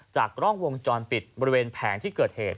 กล้องวงจรปิดบริเวณแผงที่เกิดเหตุ